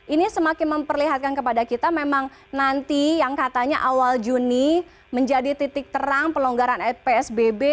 ini semakin memperlihatkan kepada kita memang nanti yang katanya awal juni menjadi titik terang pelonggaran psbb